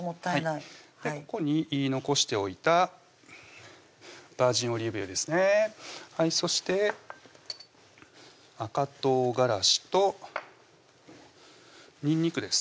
ここに残しておいたバージンオリーブ油ですねそして赤唐辛子とにんにくです